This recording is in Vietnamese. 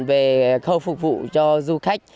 về khâu phục vụ cho du khách